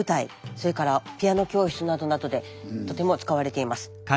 それからピアノ教室などなどでとても使われています。